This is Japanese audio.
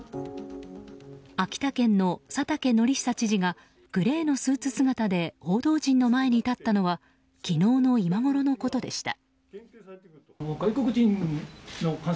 秋田県の佐竹敬久知事がグレーのスーツ姿で報道陣の前に立ったのは昨日の今ごろのことでした。